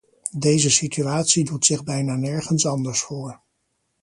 Deze situatie doet zich bijna nergens anders voor.